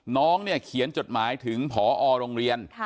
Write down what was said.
น้องเนี่ยเขียนจดหมายถึงผอโรงเรียน